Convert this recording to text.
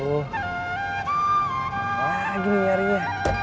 lagi nih nyarinya